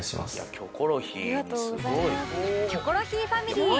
『キョコロヒー』ファミリー